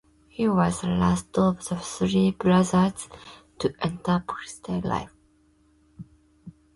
He was the last of the three brothers to enter political life.